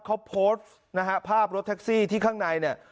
เขาโพสต์นะฮะภาพรถแท็กซี่ที่ข้างในเนี่ย